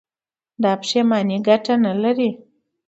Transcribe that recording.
دا پښېماني گټه نه لري.